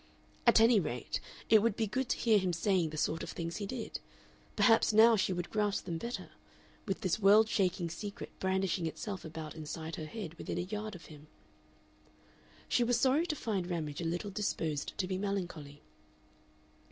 At any rate, it would be good to hear him saying the sort of things he did perhaps now she would grasp them better with this world shaking secret brandishing itself about inside her head within a yard of him. She was sorry to find Ramage a little disposed to be melancholy.